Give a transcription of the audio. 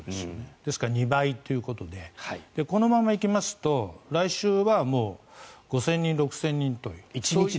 ですから２倍ということでこのまま行きますと来週はもう５０００人６０００人という。